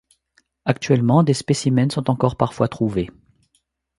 Actuellement, des spécimens sont encore parfois trouvés.